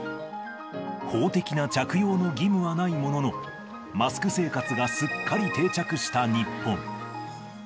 法的な着用の義務はないものの、マスク生活がすっかり定着した日本。